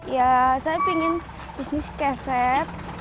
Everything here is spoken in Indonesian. ya saya ingin bisnis keset